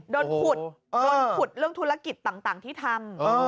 โดนขุดโดนขุดเรื่องธุรกิจต่างที่ทำ